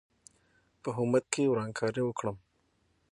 په حکومت کې ورانکاري وکړم.